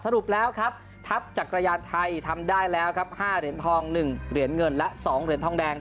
รุปแล้วครับทัพจักรยานไทยทำได้แล้วครับ๕เหรียญทอง๑เหรียญเงินและ๒เหรียญทองแดง